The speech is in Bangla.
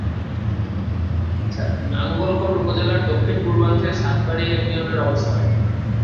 নাঙ্গলকোট উপজেলার দক্ষিণ-পূর্বাংশে সাতবাড়িয়া ইউনিয়নের অবস্থান।